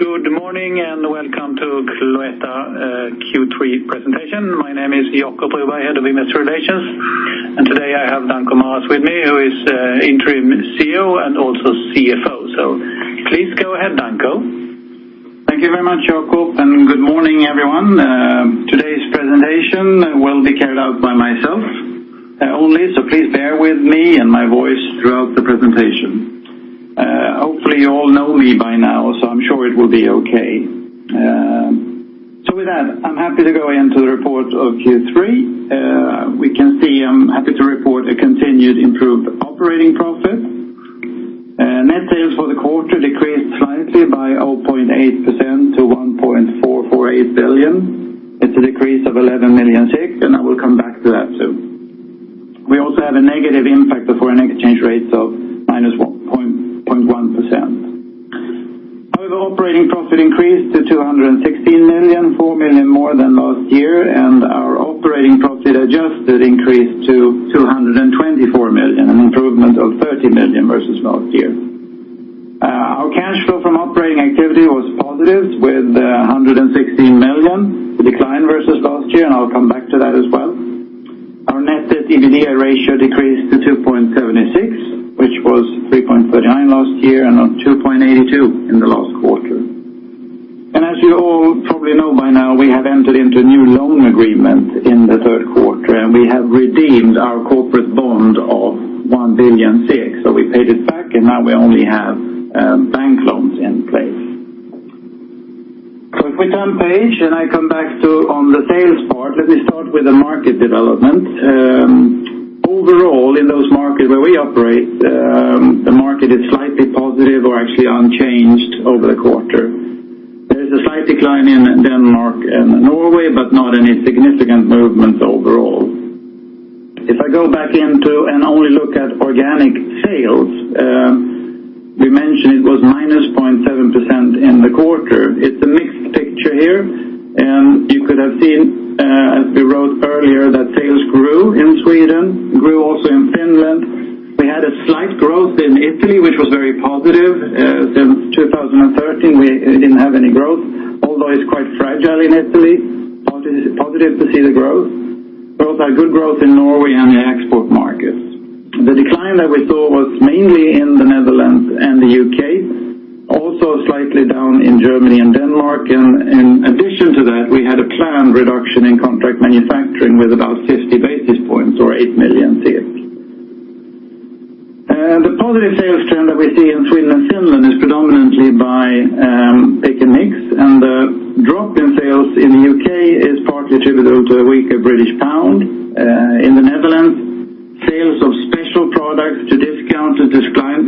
Good morning and Welcome to Cloetta Q3 Presentation. My name is Jacob Broberg, Head of Investor Relations, and today I have Danko Maras with me, who is interim CEO and also CFO. Please go ahead, Danko. Thank you very much, Jacob, and good morning, everyone. Today's presentation will be carried out by myself only, so please bear with me and my voice throughout the presentation. Hopefully you all know me by now, so I'm sure it will be okay. With that, I'm happy to go ahead and do the report of Q3. We can see I'm happy to report a continued improved operating profit. Net sales for the quarter decreased slightly by 0.8% to 1.448 billion. It's a decrease of 11 million, and I will come back to that soon. We also have a negative impact for foreign exchange rates of -1.1%. However, operating profit increased to 216 million, four million more than last year, and our operating profit adjusted increased to 224 million, an improvement of 30 million versus last year. Our cash flow from operating activity was positive with 116 million, a decline versus last year, and I'll come back to that as well. Our net EBITDA ratio decreased to 2.76, which was 3.39 last year and 2.82 in the last quarter. As you all probably know by now, we have entered into a new loan agreement in the third quarter, and we have redeemed our corporate bond of 1 billion, so we paid it back, and now we only have bank loans in place. If we turn page and I come back to on the sales part, let me start with the market development. Overall, in those markets where we operate, the market is slightly positive or actually unchanged over the quarter. There's a slight decline in Denmark and Norway, but not any significant movements overall. If I go back into and only look at organic sales, we mentioned it was -0.7% in the quarter. It's a mixed picture here. You could have seen, as we wrote earlier, that sales grew in Sweden, grew also in Finland. We had a slight growth in Italy, which was very positive. Since 2013, we didn't have any growth, although it's quite fragile in Italy. Positive to see the growth. There was good growth in Norway and the export markets. The decline that we saw was mainly in the Netherlands and the UK, also slightly down in Germany and Denmark. And in addition to that, we had a planned reduction in contract manufacturing with about 50 basis points or eight million. The positive sales trend that we see in Sweden and Finland is predominantly by pick and mix, and the drop in sales in the UK is partly attributable to a weaker British pound. In the Netherlands, sales of special products to discount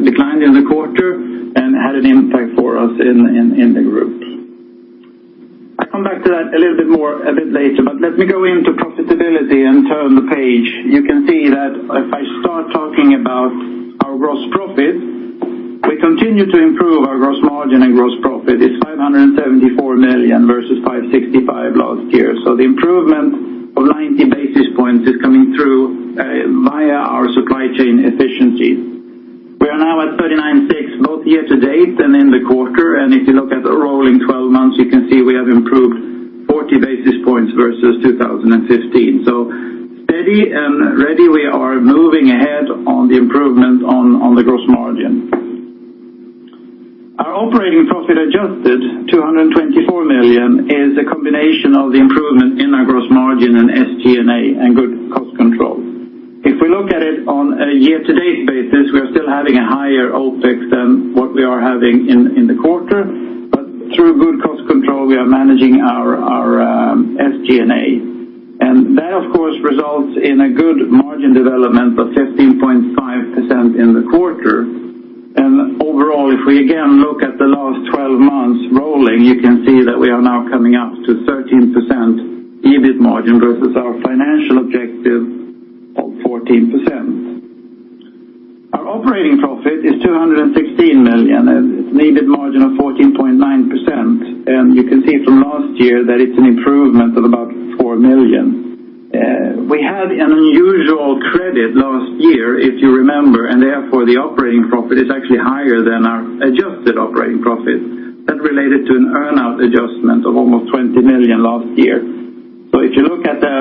declined in the quarter and had an impact for us in the group. I come back to that a little bit more a bit later, but let me go into profitability and turn the page. You can see that if I start talking about our gross profit, we continue to improve our gross margin and gross profit. It's 574 million versus 565 million last year. So the improvement of 90 basis points is coming through via our supply chain efficiencies. We are now at 396 both year to date and in the quarter, and if you look at a rolling 12 months, you can see we have improved 40 basis points versus 2015. So steady and ready, we are moving ahead on the improvement on the gross margin. Our operating profit adjusted, 224 million, is a combination of the improvement in our gross margin and SG&A and good cost control. If we look at it on a year-to-date basis, we are still having a higher OpEx than what we are having in the quarter, but through good cost control, we are managing our SG&A. And that, of course, results in a good margin development of 15.5% in the quarter. And overall, if we again look at the last 12 months rolling, you can see that we are now coming up to 13% EBIT margin versus our financial objective of 14%. Our operating profit is 216 million, an EBIT margin of 14.9%, and you can see from last year that it's an improvement of about 4 million. We had an unusual credit last year, if you remember, and therefore the operating profit is actually higher than our adjusted operating profit. That related to an earnout adjustment of almost 20 million last year. So if you look at the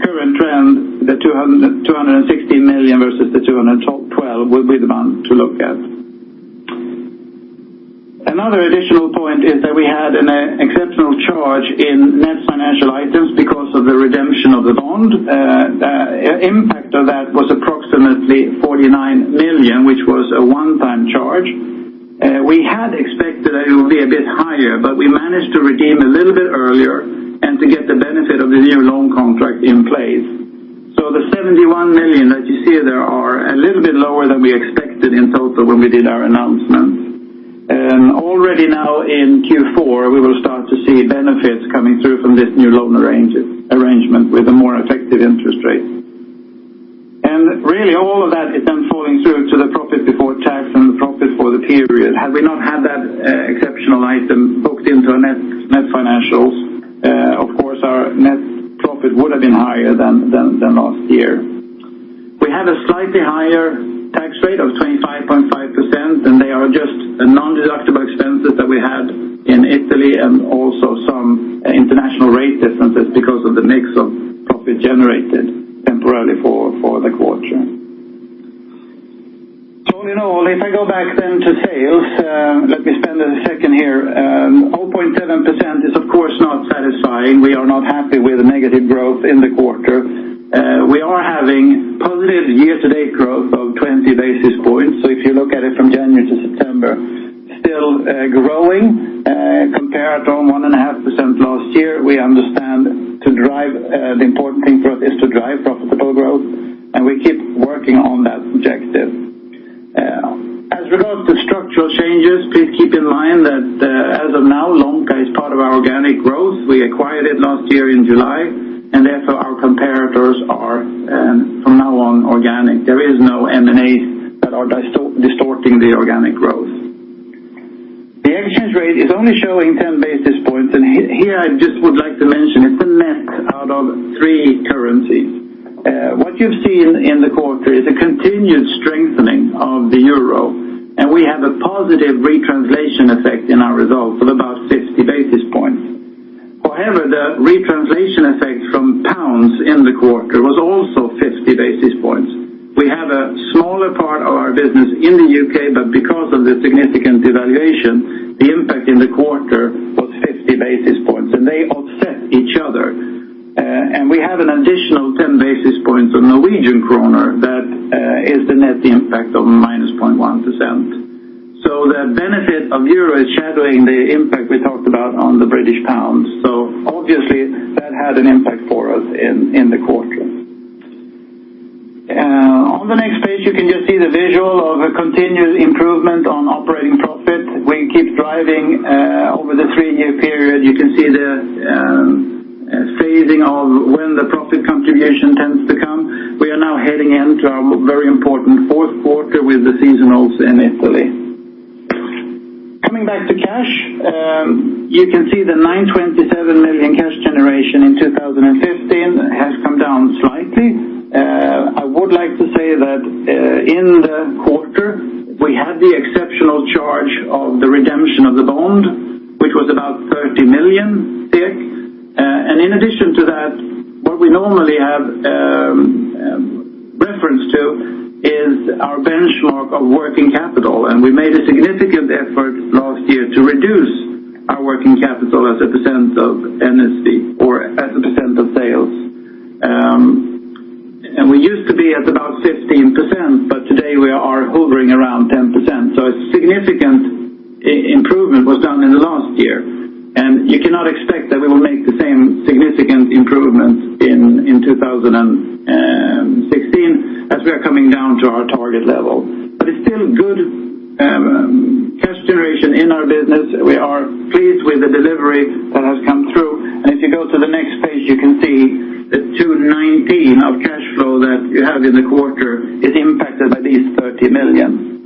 current trend, the 216 million versus the 212 million would be the one to look at. Another additional point is that we had an exceptional charge in net financial items because of the redemption of the bond. The impact of that was approximately 49 million, which was a one-time charge. We had expected that it would be a bit higher, but we managed to redeem a little bit earlier and to get the benefit of the new loan contract in place. So the 71 million that you see there are a little bit lower than we expected in total when we did our announcement. Already now in Q4, we will start to see benefits coming through from this new loan arrangement with a more effective interest rate. Really, all of that is then falling through to the profit before tax and the profit for the period. Had we not had that exceptional item booked into our net financials, of course, our net profit would have been higher than last year. We have a slightly higher tax rate of 25.5%, and they are just non-deductible expenses that we had in Italy and also some international rate differences because of the mix of profit generated temporarily for the quarter. All in all, if I go back then to sales, let me spend a second here 0.7% is, of course, not satisfying. We are not happy with negative growth in the quarter. We are having positive year-to-date growth of 20 basis points. So if you look at it from January to September, still growing. Compared to 1.5% last year, we understand to drive the important thing for us is to drive profitable growth, and we keep working on that objective. As regards to structural changes, please keep in mind that as of now, Lonka is part of our organic growth. We acquired it last year in July, and therefore our comparators are from now on organic. There is no M&As that are distorting the organic growth. The exchange rate is only showing 10 basis points, and here I just would like to mention it's a net out of three currencies. What you've seen in the quarter is a continued strengthening of the euro, and we have a positive retranslation effect in our results of about 50 basis points. However, the retranslation effect from pounds in the quarter was also 50 basis points. We have a smaller part of our business in the UK, but because of the significant devaluation, the impact in the quarter was 50 basis points, and they offset each other. And we have an additional 10 basis points of Norwegian Kroner that is the net impact of -0.1%. So the benefit of euro is shadowing the impact we talked about on the British pound. So obviously, that had an impact for us in the quarter. On the next page, you can just see the visual of a continued improvement on operating profit. We keep driving over the three-year period. You can see the phasing of when the profit contribution tends to come. We are now heading into our very important Q4 with the seasonal's in Italy. Coming back to cash, you can see the 927 million cash generation in 2015 has come down slightly. I would like to say that in the quarter, we had the exceptional charge of the redemption of the bond, which was about 30 million. And in addition to that, what we normally have reference to is our benchmark of working capital, and we made a significant effort last year to reduce our working capital as a percent of NSV or as a percent of sales. And we used to be at about 15%, but today we are hovering around 10%. So a significant improvement was done in the last year, and you cannot expect that we will make the same significant improvement in 2016 as we are coming down to our target level. But it's still good cash generation in our business. We are pleased with the delivery that has come through. And if you go to the next page, you can see that 219 million of cash flow that you have in the quarter is impacted by these 30 million.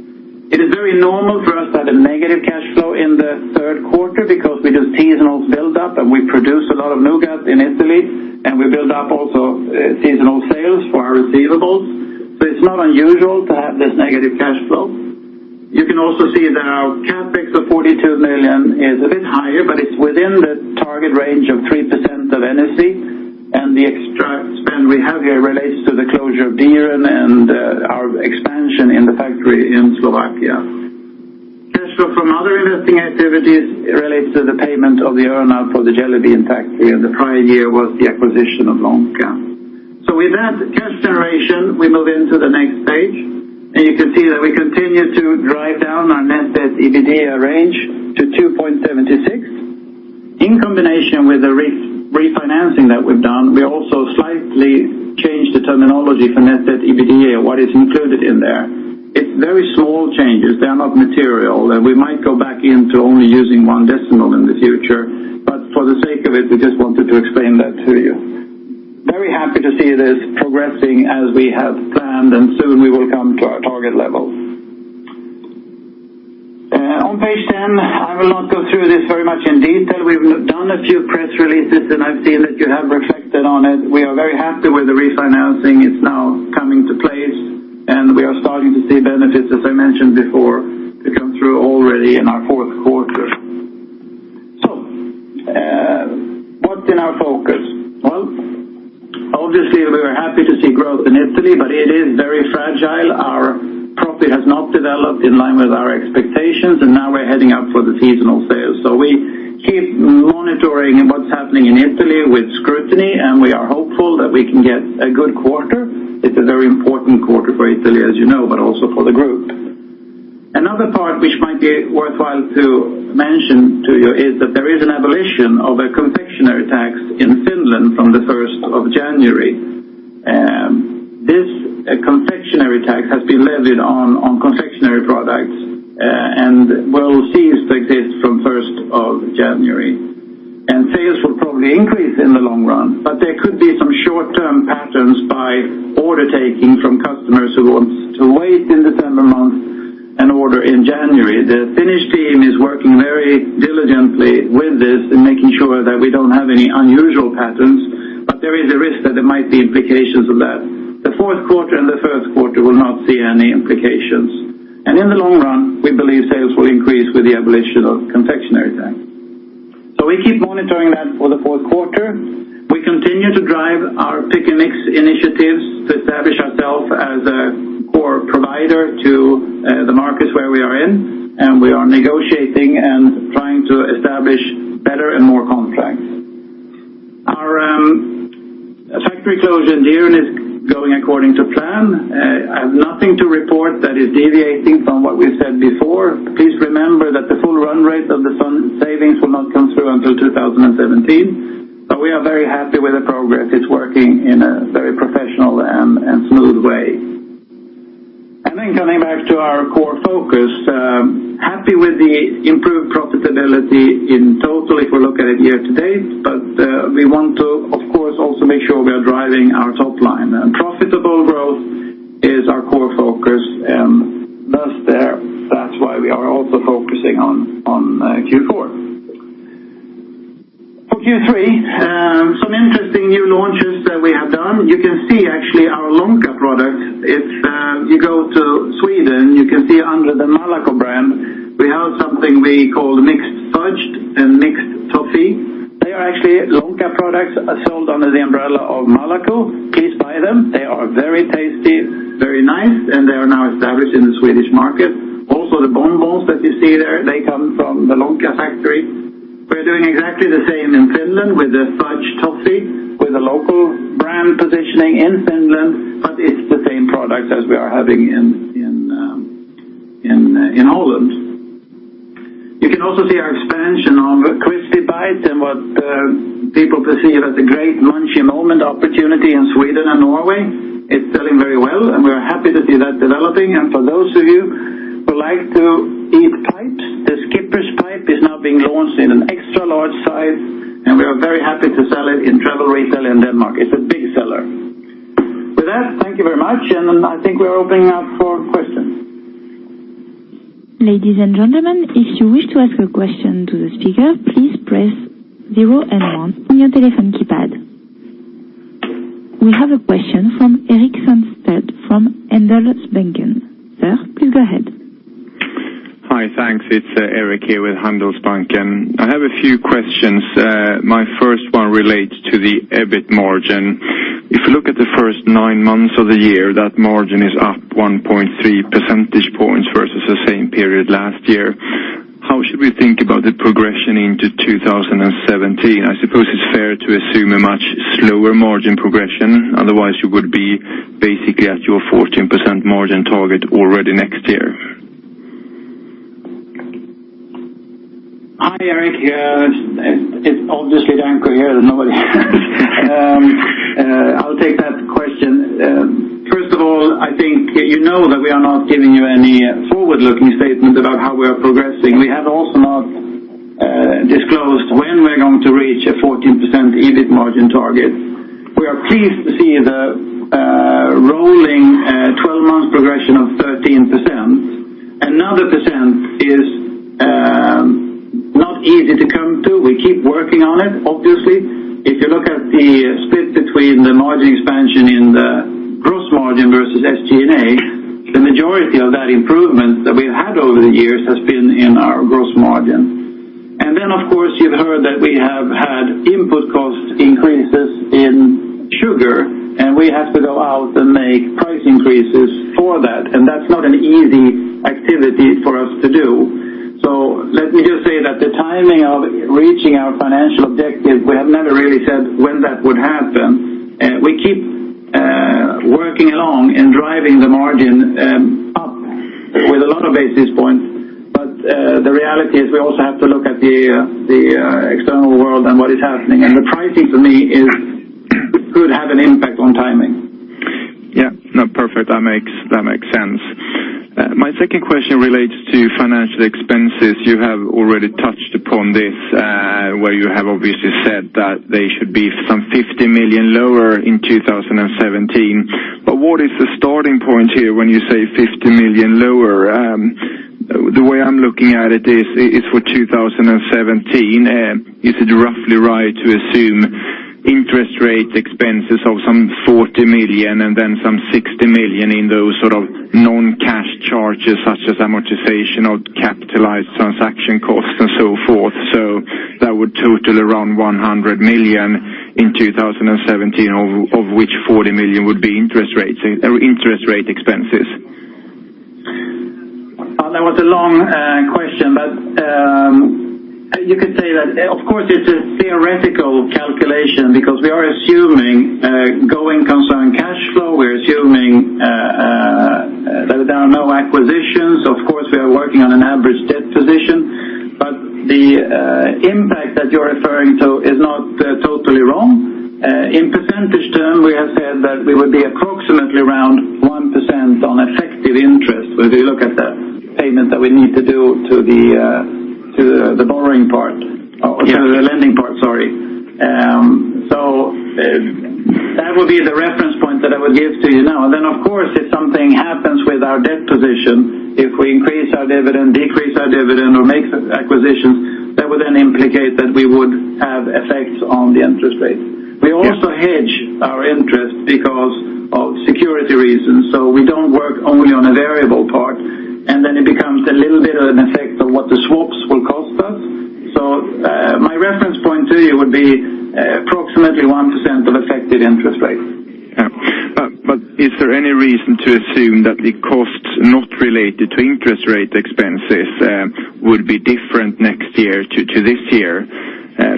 It is very normal for us to have a negative cash flow in the third quarter because we do seasonal buildup and we produce a lot of nougat in Italy, and we build up also seasonal sales for our receivables. So it's not unusual to have this negative cash flow. You can also see that our Capex of 42 million is a bit higher, but it's within the target range of 3% of NSV, and the extra spend we have here relates to the closure of Dieren and our expansion in the factory in Slovakia. Cash flow from other investing activities relates to the payment of the earnout for The Jelly Bean Factory, and the prior year was the acquisition of Lonka. So with that cash generation, we move into the next page, and you can see that we continue to drive down our net EBITDA range to 2.76. In combination with the refinancing that we've done, we also slightly changed the terminology for net EBITDA, what is included in there. It's very small changes. They are not material, and we might go back into only using one decimal in the future, but for the sake of it, we just wanted to explain that to you. Very happy to see this progressing as we have planned, and soon we will come to our target level. On page 10, I will not go through this very much in detail. We've done a few press releases, and I've seen that you have reflected on it. We are very happy with the refinancing. It's now coming to place, and we are starting to see benefits, as I mentioned before, to come through already in our fourth quarter. So what's in our focus? Well, obviously, we were happy to see growth in Italy, but it is very fragile. Our profit has not developed in line with our expectations, and now we're heading up for the seasonal sales. So we keep monitoring what's happening in Italy with scrutiny, and we are hopeful that we can get a good quarter. It's a very important quarter for Italy, as you know, but also for the group. Another part which might be worthwhile to mention to you is that there is an abolition of a confectionery tax in Finland from the 1st of January. This confectionery tax has been levied on confectionery products and will cease to exist from 1st of January. And sales will probably increase in the long run, but there could be some short-term patterns by order-taking from customers who want to wait in December month and order in January. The Finnish team is working very diligently with this and making sure that we don't have any unusual patterns, but there is a risk that there might be implications of that. The Q4 and the Q1 will not see any implications. In the long run, we believe sales will increase with the abolition of confectionery tax. We keep monitoring that for the Q4. We continue to drive our Pick & Mix initiatives to establish ourselves as a core provider to the markets where we are in, and we are negotiating and trying to establish better and more contracts. Our factory closure in Dieren is going according to plan. I have nothing to report that is deviating from what we've said before. Please remember that the full run rate of the cost savings will not come through until 2017, but we are very happy with the progress. It's working in a very professional and smooth way. Then coming back to our core focus, happy with the improved profitability in total if we look at it year to date, but we want to, of course, also make sure we are driving our top line. Profitable growth is our core focus, and thus that's why we are also focusing on Q4. For Q3, some interesting new launches that we have done. You can see actually our Lonka products. If you go to Sweden, you can see under the Malaco brand, we have something we call mixed fudge and mixed toffee. They are actually Lonka products sold under the umbrella of Malaco. Please buy them. They are very tasty, very nice, and they are now established in the Swedish market. Also, the bonbons that you see there, they come from the Lonka factory. We are doing exactly the same in Finland with the fudge toffee with a local brand positioning in Finland, but it's the same products as we are having in Holland. You can also see our expansion of Crispy Bites and what people perceive as a great munchy moment opportunity in Sweden and Norway. It's selling very well, and we are happy to see that developing. And for those of you who like to eat pipes, the Skipper's Pipes is now being launched in an extra large size, and we are very happy to sell it in travel retail in Denmark. It's a big seller. With that, Thank you very much, and I think we are opening up for questions. Ladies and gentlemen, if you wish to ask a question to the speaker, please press zero and one on your telephone keypad. We have a question from Erik Sandstedt from Handelsbanken. Sir, please go ahead! Hi, thanks. It's Erik here with Handelsbanken. I have a few questions. My first one relates to the EBIT margin. If we look at the first nine months of the year, that margin is up 1.3 percentage points versus the same period last year. How should we think about the progression into 2017? I suppose it's fair to assume a much slower margin progression. Otherwise, you would be basically at your 14% margin target already next year. Hi, Erik! It's obviously Danko here. There's nobody. I'll take that question. First of all, I think you know that we are not giving you any forward-looking statement about how we are progressing. We have also not disclosed when we're going to reach a 14% EBIT margin target. We are pleased to see the rolling 12-month progression of 13%. Another percent is not easy to come to. We keep working on it, obviously. If you look at the split between the margin expansion in the gross margin versus SG&A, the majority of that improvement that we've had over the years has been in our gross margin. And then, of course, you've heard that we have had input cost increases in sugar, and we have to go out and make price increases for that, and that's not an easy activity for us to do. So let me just say that the timing of reaching our financial objective, we have never really said when that would happen. We keep working along and driving the margin up with a lot of basis points, but the reality is we also have to look at the external world and what is happening, and the pricing for me could have an impact on timing. Yeah. No, perfect. That makes sense. My second question relates to financial expenses. You have already touched upon this where you have obviously said that they should be some 50 million lower in 2017, but what is the starting point here when you say 50 million lower? The way I'm looking at it is for 2017, is it roughly right to assume interest rate expenses of some 40 million and then some 60 million in those sort of non-cash charges such as amortization of capitalized transaction costs and so forth? So that would total around 100 million in 2017, of which 40 million would be interest rate expenses. That was a long question, but you could say that, of course, it's a theoretical calculation because we are assuming going concern cash flow. We're assuming that there are no acquisitions. Of course, we are working on an average debt position, but the impact that you're referring to is not totally wrong. In percentage term, we have said that we would be approximately around 1% on effective interest when we look at that payment that we need to do to the borrowing part or to the lending part, sorry. So that would be the reference point that I would give to you now. And then, of course, if something happens with our debt position, if we increase our dividend, decrease our dividend, or make acquisitions, that would then implicate that we would have effects on the interest rate. We also hedge our interest because of security reasons. So we don't work only on a variable part, and then it becomes a little bit of an effect of what the swaps will cost us. So my reference point to you would be approximately 1% of effective interest rate. Yeah. But is there any reason to assume that the costs not related to interest rate expenses would be different next year to this year,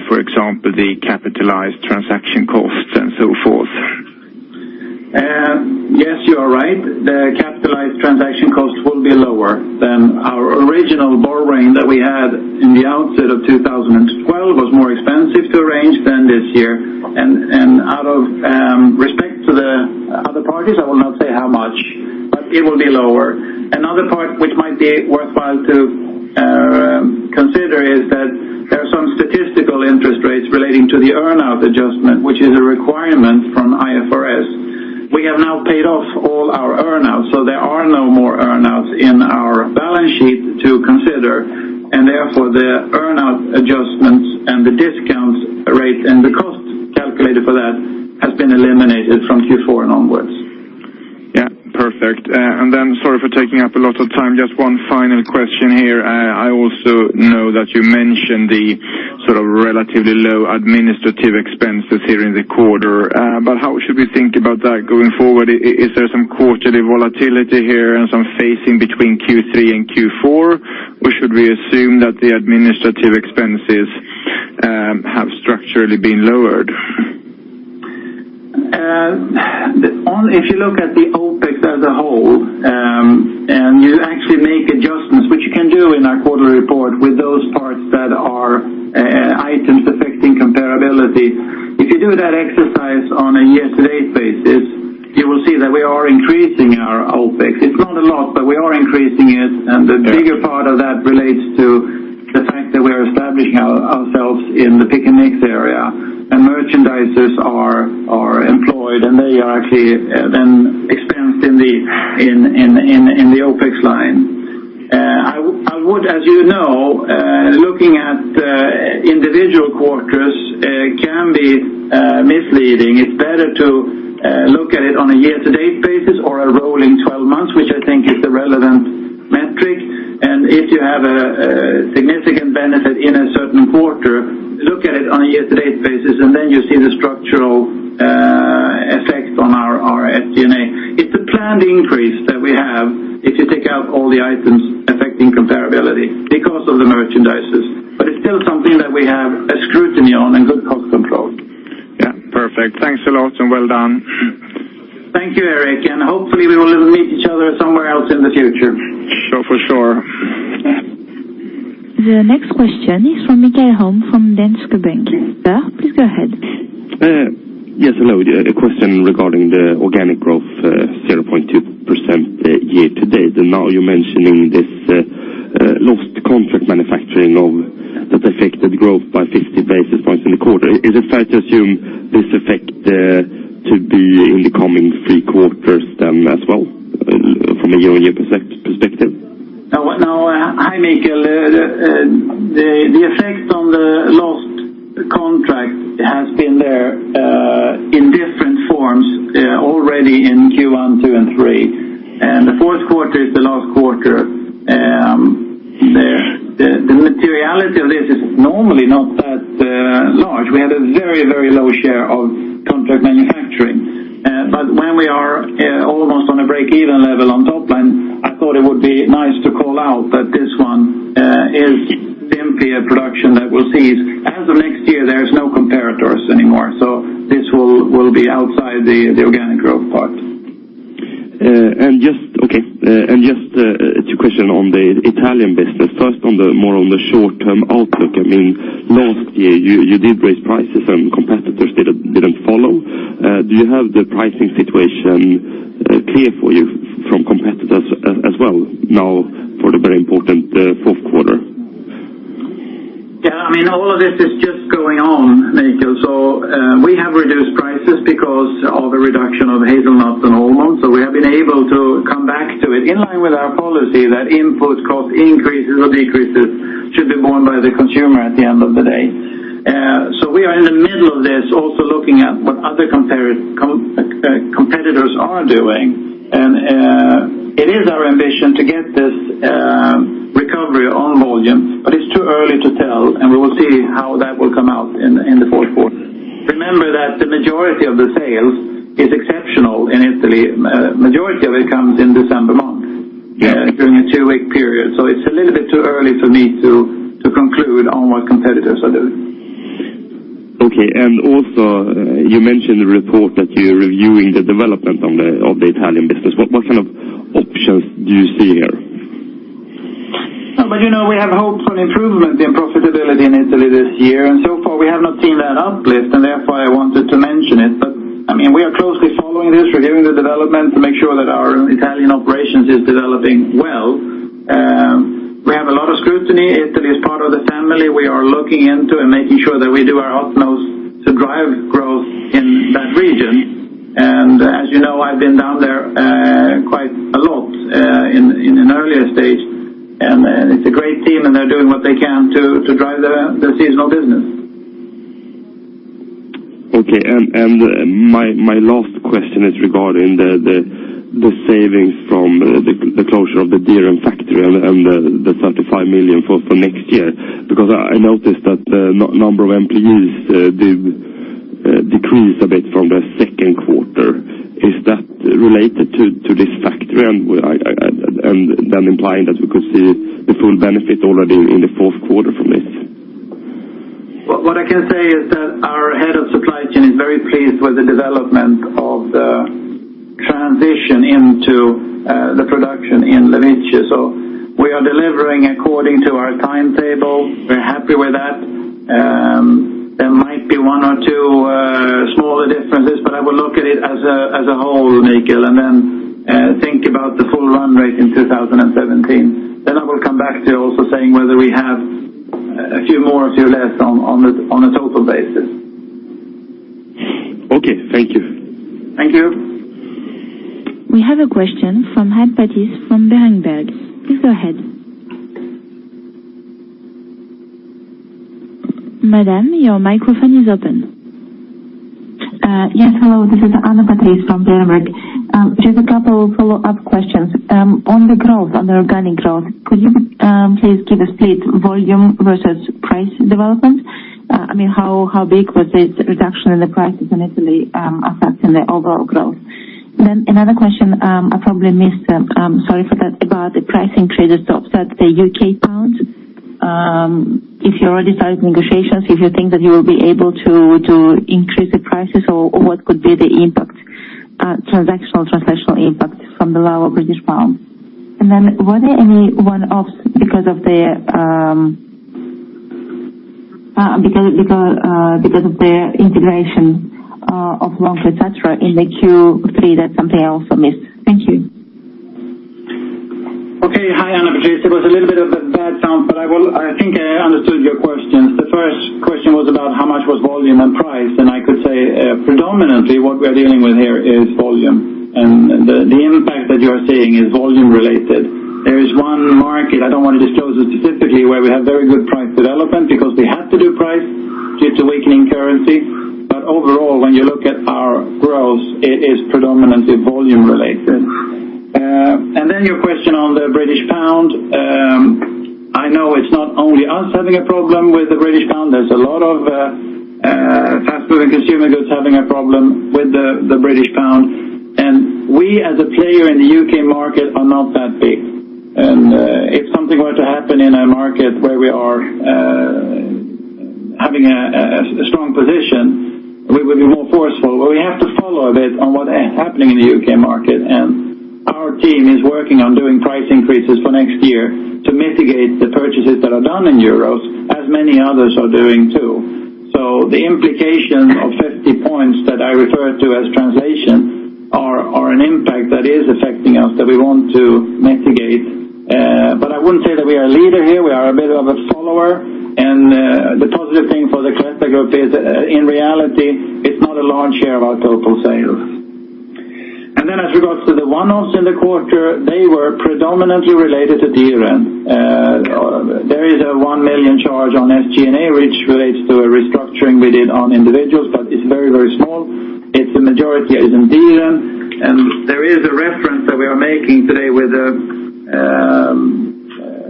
for example, the capitalized transaction costs and so forth? Yes, you are right. The capitalized transaction costs will be lower than our original borrowing that we had in the outset of 2012 was more expensive to arrange than this year. And out of respect to the other parties, I will not say how much, but it will be lower. Another part which might be worthwhile to consider is that there are some statistical interest rates relating to the earnout adjustment, which is a requirement from IFRS. We have now paid off all our earnouts, so there are no more earnouts in our balance sheet to consider, and therefore, the earnout adjustments and the discount rate and the cost calculated for that has been eliminated from Q4 and onwards. Yeah. Perfect. And then sorry for taking up a lot of time. Just one final question here. I also know that you mentioned the sort of relatively low administrative expenses here in the quarter, but how should we think about that going forward? Is there some quarterly volatility here and some phasing between Q3 and Q4, or should we assume that the administrative expenses have structurally been lowered? If you look at the OpEx as a whole and you actually make adjustments, which you can do in our quarterly report with those parts that are items affecting comparability, if you do that exercise on a year-to-date basis, you will see that we are increasing our OpEx. It's not a lot, but we are increasing it, and the bigger part of that relates to the fact that we are establishing ourselves in the Pick & Mix area, and merchandisers are employed, and they are actually then expensed in the OpEx line. As you know, looking at individual quarters can be misleading. It's better to look at it on a year-to-date basis or a rolling 12 months, which I think is the relevant metric. And if you have a significant benefit in a certain quarter, look at it on a year-to-date basis, and then you see the structural effect on our SG&A. It's a planned increase that we have if you take out all the items affecting comparability because of the merchandisers, but it's still something that we have a scrutiny on and good cost control. Yeah. Perfect. Thanks a lot and well done. Thank you, Erik, and hopefully, we will meet each other somewhere else in the future. So for sure. The next question is from Michael Holm from Danske Bank. Sir, please go ahead! Yes. Hello. A question regarding the organic growth 0.2% year-to-date. Now you're mentioning this lost contract manufacturing that affected growth by 50 basis points in the quarter. Is it fair to assume this effect to be in the coming Q3 then as well from a year-on-year perspective? No, Hi, Michael. The effect on the lost contract has been there in different forms already in Q1, Q2, and Q3, and the Q4 is the last quarter. The materiality of this is normally not that large. We had a very, very low share of contract manufacturing. But when we are almost on a break-even level on top line, I thought it would be nice to call out that this one is simply a production that will cease. As of next year, there's no comparators anymore, so this will be outside the organic growth part. Okay. And just two questions on the Italian business. First, more on the short-term outlook. I mean, last year, you did raise prices, and competitors didn't follow. Do you have the pricing situation clear for you from competitors as well now for the very important Q4? Yeah. I mean, all of this is just going on, Michael. So we have reduced prices because of the reduction of hazelnuts and almonds, so we have been able to come back to it in line with our policy that input cost increases or decreases should be borne by the consumer at the end of the day. So we are in the middle of this also looking at what other competitors are doing, and it is our ambition to get this recovery on volume, but it's too early to tell, and we will see how that will come out in the Q4. Remember that the majority of the sales is exceptional in Italy. Majority of it comes in December month during a two-week period, so it's a little bit too early for me to conclude on what competitors are doing. Okay and also, you mentioned the report that you're reviewing the development of the Italian business. What kind of options do you see here? But we have hopes on improvement in profitability in Italy this year, and so far, we have not seen that uplift, and therefore, I wanted to mention it. But I mean, we are closely following this, reviewing the development to make sure that our Italian operations are developing well. We have a lot of scrutiny. Italy is part of the family we are looking into and making sure that we do our utmost to drive growth in that region. As you know, I've been down there quite a lot in an earlier stage, and it's a great team, and they're doing what they can to drive the seasonal business. Okay. My last question is regarding the savings from the closure of the Dieren factory and the 35 million for next year because I noticed that the number of employees decreased a bit from the Q2. Is that related to this factory and then implying that we could see the full benefit already in the fourth quarter from this? What I can say is that our head of supply chain is very pleased with the development of the transition into the production in Levice. So we are delivering according to our timetable. We're happy with that. There might be one or two smaller differences, but I will look at it as a whole, Michael, and then think about the full run rate in 2017. Then I will come back to also saying whether we have a few more or a few less on a total basis. Okay. Thank you. Thank you. We have a question from Anna Patrice from Berenberg. Please go ahead. Madame, your microphone is open. Yes. Hello. This is Anna Patrice from Berenberg. Just a couple of follow-up questions. On the organic growth, could you please give a split volume versus price development? I mean, how big was this reduction in the prices in Italy affecting the overall growth? Then another question I probably missed—sorry for that—about the pricing traders to offset the UK pound. If you're already starting negotiations, if you think that you will be able to increase the prices, or what could be the transactional impact from the lower British pound? And then were there any one-offs because of the integration of Lonka, etc., in the Q3? That's something I also missed. Thank you. Okay. Hi, Anna Patrice. It was a little bit of a bad sound, but I think I understood your questions. The first question was about how much was volume and price, and I could say predominantly, what we are dealing with here is volume, and the impact that you are seeing is volume-related. There is one market - I don't want to disclose it specifically - where we have very good price development because we had to do price due to weakening currency, but overall, when you look at our growth, it is predominantly volume-related. Then your question on the British pound. I know it's not only us having a problem with the British pound. There's a lot of fast-moving consumer goods having a problem with the British pound, and we, as a player in the UK market, are not that big. And if something were to happen in a market where we are having a strong position, we would be more forceful, but we have to follow a bit on what's happening in the UK market, and our team is working on doing price increases for next year to mitigate the purchases that are done in euros as many others are doing too. So the implication of 50 points that I referred to as translation are an impact that is affecting us that we want to mitigate. But I wouldn't say that we are a leader here. We are a bit of a follower, and the positive thing for the Cloetta Group is that in reality, it's not a large share of our total sales. Then as regards to the one-offs in the quarter, they were predominantly related to Dieren. There is a 1 million charge on SG&A which relates to a restructuring we did on individuals, but it's very, very small. The majority is in Dieren, and there is a reference that we are making today with this: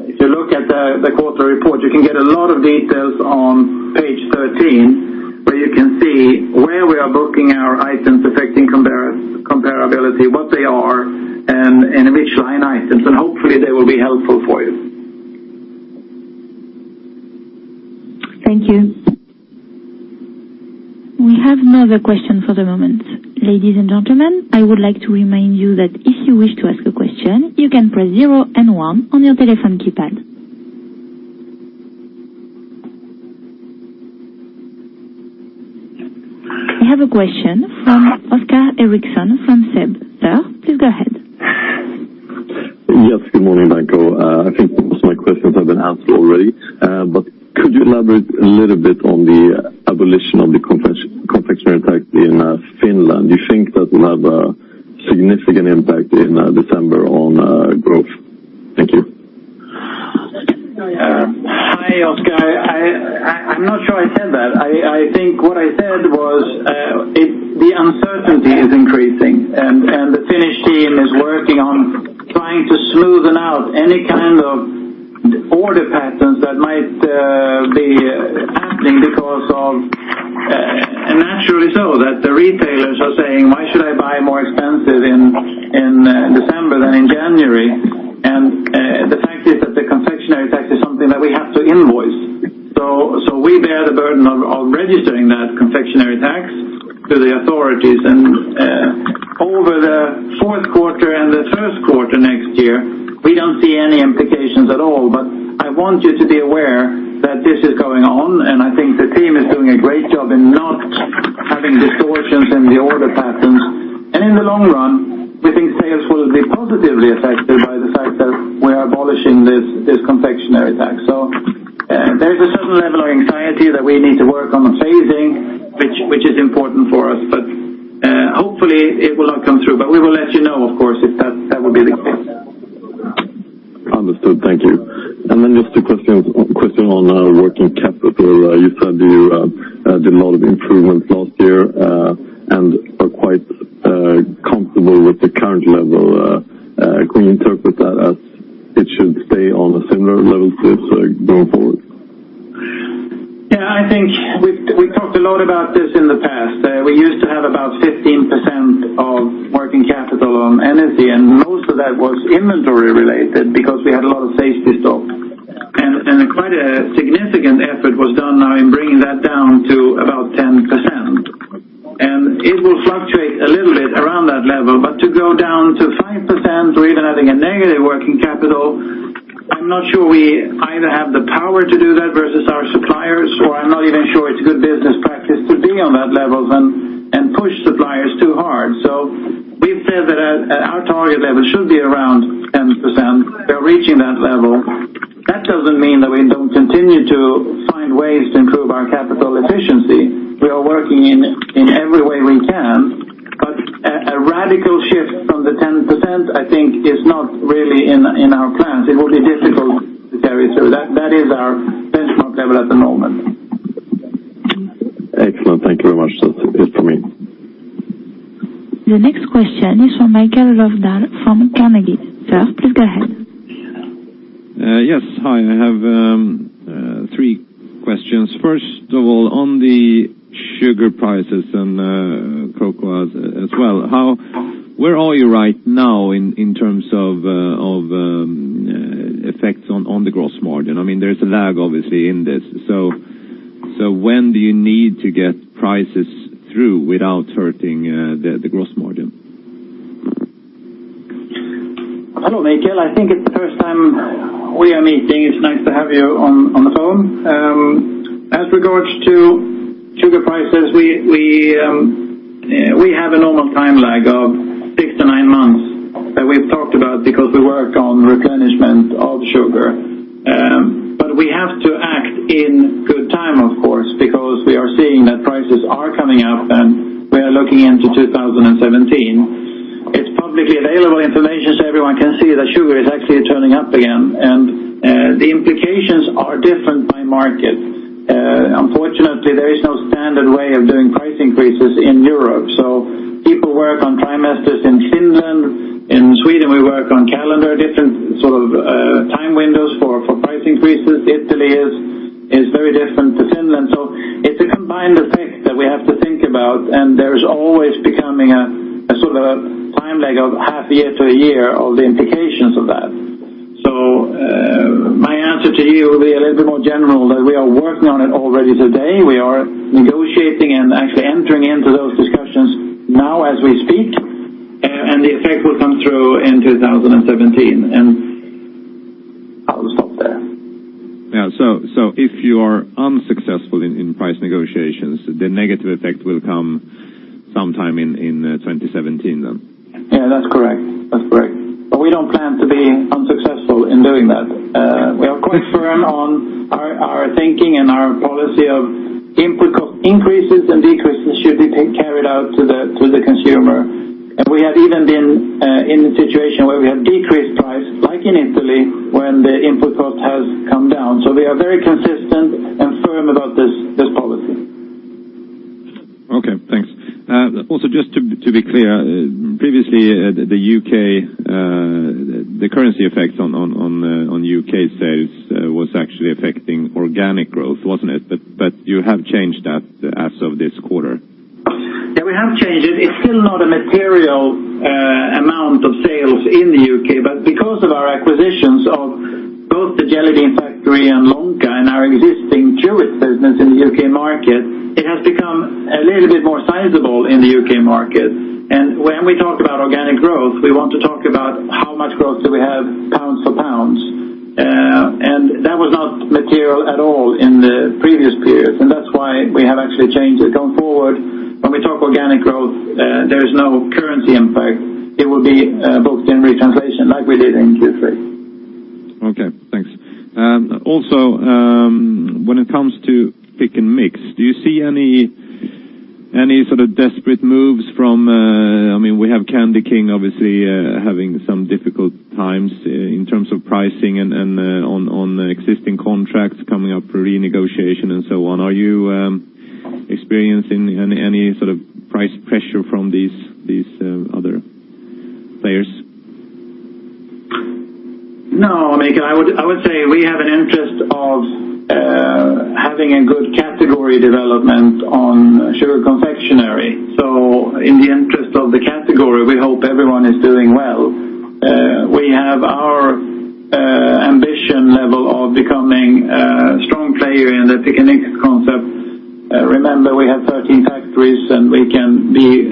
if you look at the quarterly report, you can get a lot of details on page 13 where you can see where we are booking our items affecting comparability, what they are, and in which line items, and hopefully, they will be helpful for you. Thank you. We have no other questions for the moment. Ladies and gentlemen, I would like to remind you that if you wish to ask a question, you can press zero and one on your telephone keypad. We have a question from Oscar Erixon from SEB. Sir, please go ahead! Yes. Good morning, Danko. I think most of my questions have been answered already, but could you elaborate a little bit on the abolition of the confectionery tax in Finland? Do you think that will have a significant impact in December on growth? Thank you. Hi, Oscar. I'm not sure I said that. I think what I said was the uncertainty is increasing, and the Finnish team is working on trying to smoothen out any kind of order patterns that might be happening because of and naturally so, that the retailers are saying, "Why should I buy more expensive in December than in January?" And the fact is that the confectionery tax is something that we have to invoice, so we bear the burden of registering that confectionery tax to the authorities. And over the Q4 and the Q1 next year, our target level should be around 10%. We are reaching that level. That doesn't mean that we don't continue to find ways to improve our capital efficiency. We are working in every way we can, but a radical shift from the 10%, I think, is not really in our plans. It will be difficult to carry through. That is our benchmark level at the moment. Excellent. Thank you very much. That's it for me. The next question is from Mikael Löfdahl from Carnegie. Sir, please go ahead! Yes. Hi. I have three questions. First of all, on the sugar prices and cocoa as well, where are you right now in terms of effects on the gross margin? I mean, there's a lag, obviously, in this, so when do you need to get prices through without hurting the gross margin? Hello, Mikael. I think it's the first time we are meeting. It's nice to have you on the phone. As regards to sugar prices, we have a normal time lag of six to nine months that we've talked about because we work on replenishment of sugar, but we have to act in good time, of course, because we are seeing that prices are coming up, and we are looking into 2017. It's publicly available information, so everyone can see that sugar is actually turning up again, and the implications are different by market. Unfortunately, there is no standard way of doing price increases in Europe, so people work on trimesters in Finland. In Sweden, we work on calendar, different sort of time windows for price increases. Italy is very different to Finland, so it's a combined effect that we have to think about, and there's always becoming a sort of a time lag of half a year to a year of the implications of that. So my answer to you will be a little bit more general than we are working on it already today. We are negotiating and actually entering into those discussions now as we speak, and the effect will come through in 2017. And I'll stop there. Yeah. So if you are unsuccessful in price negotiations, the negative effect will come sometime in 2017 then? Yeah. That's correct. That's correct. But we don't plan to be unsuccessful in doing that. We are quite firm on our thinking and our policy of input cost increases and decreases should be carried out to the consumer, and we have even been in a situation where we have decreased price like in Italy when the input cost has come down, so we are very consistent and firm about this policy. Okay. Thanks. Also, just to be clear, previously, the currency effect on UK sales was actually affecting organic growth, wasn't it? But you have changed that as of this quarter? Yeah. We have changed it. It's still not a material amount of sales in the UK, but because of our acquisitions of both the Jelly Bean Factory and Lonka and our existing Chewits business in the UK market, it has become a little bit more sizable in the UK market. When we talk about organic growth, we want to talk about how much growth do we have pound for pound, and that was not material at all in the previous periods, and that's why we have actually changed it. Going forward, when we talk organic growth, there is no currency impact. It will be booked in retranslation like we did in Q3. Okay. Thanks. Also, when it comes to Pick & Mix, do you see any sort of desperate moves from? I mean, we have Candyking, obviously, having some difficult times in terms of pricing and on existing contracts coming up for renegotiation and so on. Are you experiencing any sort of price pressure from these other players? No. Mikael, I would say we have an interest of having a good category development on sugar confectionery. So in the interest of the category, we hope everyone is doing well. We have our ambition level of becoming a strong player in the Pick & Mix concept. Remember, we have 13 factories, and we can be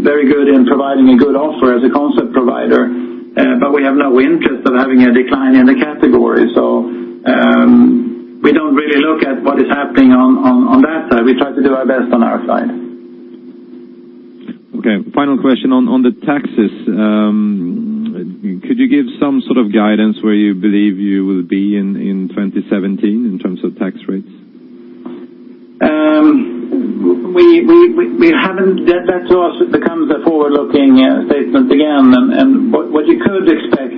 very good in providing a good offer as a concept provider, but we have no interest in having a decline in the category, so we don't really look at what is happening on that side. We try to do our best on our side. Okay. Final question on the taxes. Could you give some sort of guidance where you believe you will be in 2017 in terms of tax rates? We haven't yet. That becomes a forward-looking statement again, and what you could expect,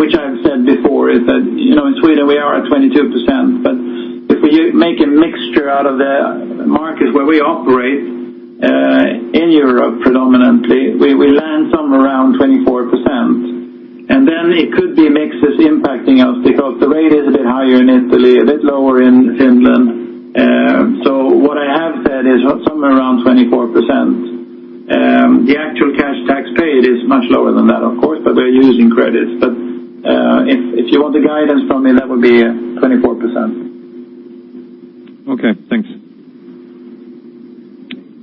which I've said before, is that in Sweden, we are at 22%, but if we make a mixture out of the markets where we operate in Europe predominantly, we land somewhere around 24%, and then it could be mixes impacting us because the rate is a bit higher in Italy, a bit lower in Finland. So what I have said is somewhere around 24%. The actual cash tax paid is much lower than that, of course, but we're using credits. But if you want the guidance from me, that would be 24%. Okay. Thanks.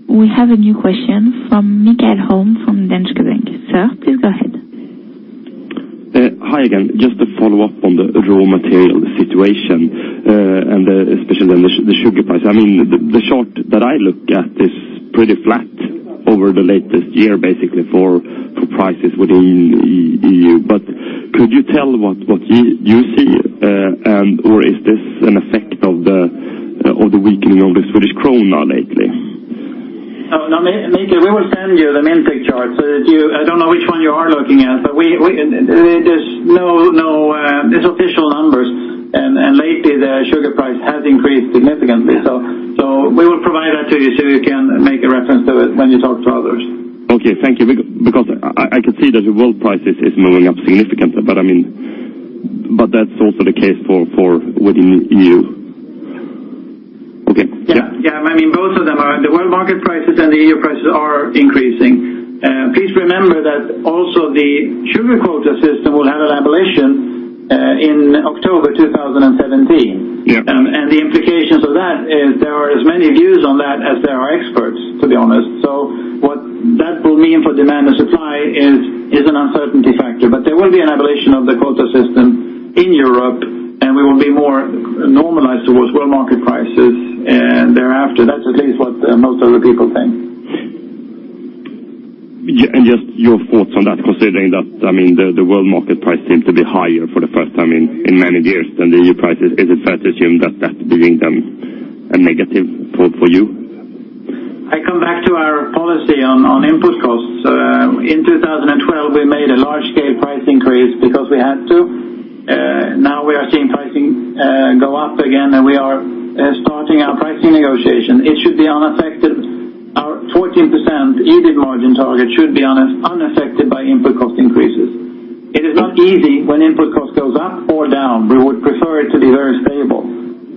We have a new question from Michael Holm from Danske Bank. Sir, please go ahead. Hi again! Just to follow up on the raw material situation and especially the sugar price. I mean, the chart that I look at is pretty flat over the latest year, basically, for prices within the EU, but could you tell what you see, or is this an effect of the weakening of the Swedish krona now lately? No, Michael, we will send you the market chart. I don't know which one you are looking at, but there's no official numbers, and lately, the sugar price has increased significantly, so we will provide that to you so you can make a reference to it when you talk to others. Okay. Thank you because I can see that the world price is moving up significantly, but that's also the case within the EU. Okay. Yeah. Yeah. I mean, both of them, the world market prices and the EU prices are increasing. Please remember that also the sugar quota system will have an abolition in October 2017. Yep And the implications of that is there are as many views on that as there are experts, to be honest. So what that will mean for demand and supply is an uncertainty factor, but there will be an abolition of the quota system in Europe, and we will be more normalized towards world market prices thereafter. That's at least what most other people think. And just your thoughts on that, considering that, I mean, the world market price seemed to be higher for the first time in many years than the EU prices, is it fair to assume that that's being then a negative for you? I come back to our policy on input costs. In 2012, we made a large-scale price increase because we had to. Now, we are seeing pricing go up again, and we are starting our pricing negotiation. It should be unaffected. Our 14% EBIT margin target should be unaffected by input cost increases. It is not easy when input cost goes up or down. We would prefer it to be very stable,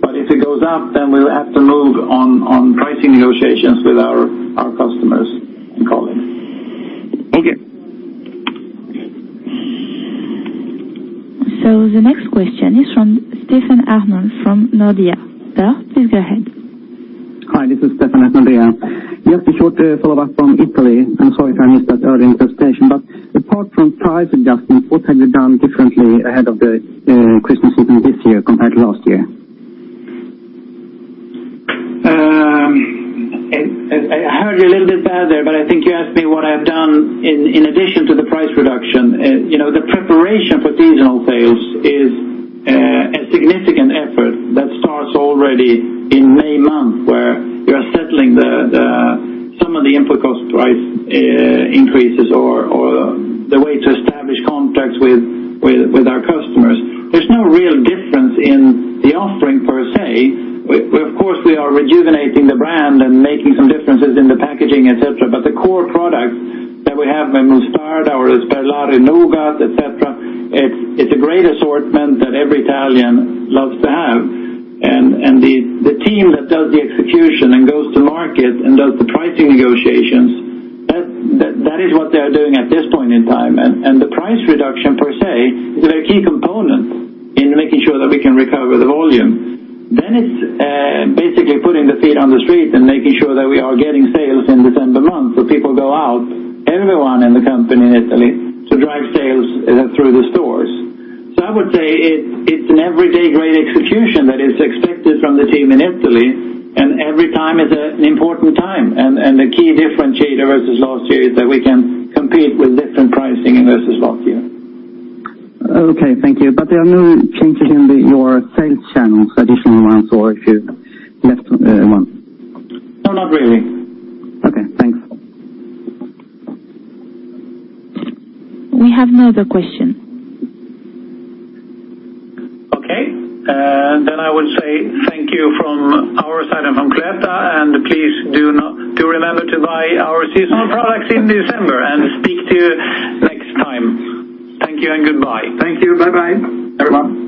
but if it goes up, then we will have to move on pricing negotiations with our customers and colleagues. Thank You! So the next question is from Stellan Hellström from Nordea. Sir, please go ahead. Hi. This is Stellan at Nordea. Just a short follow-up from Italy. I'm sorry if I missed that early in the presentation, but apart from price adjustments, what have you done differently ahead of the Christmas season this year compared to last year? I heard you a little bit better, but I think you asked me what I have done in addition to the price reduction. The preparation for seasonal sales is a significant effort that starts already in May month where you are settling some of the input cost price increases or the way to establish contracts with our customers. There's no real difference in the offering per se. Of course, we are rejuvenating the brand and making some differences in the packaging, etc., but the core products that we have, Mostarda or Sperlari, Nougat, etc., it's a great assortment that every Italian loves to have. The team that does the execution and goes to market and does the pricing negotiations, that is what they are doing at this point in time, and the price reduction per se is a very key component in making sure that we can recover the volume. Then it's basically putting the feet on the street and making sure that we are getting sales in December month so people go out, everyone in the company in Italy, to drive sales through the stores. So I would say it's an everyday great execution that is expected from the team in Italy, and every time is an important time. And the key differentiator versus last year is that we can compete with different pricing versus last year. Okay. Thank you. But there are no changes in your sales channels, additional ones, or if you left one? No, not really. Okay. Thanks. We have no other question. Okay. Then I will say thank you from our side and from Cloetta, and please do remember to buy our seasonal products in December and speak to you next time. Thank you and goodbye. Thank you. Bye-bye, everyone.